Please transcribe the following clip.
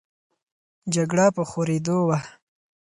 جګړه په خورېدو وه.